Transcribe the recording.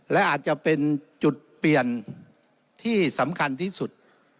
และอาจจะเป็นจุดเปลี่ยนที่สำคัญที่สุด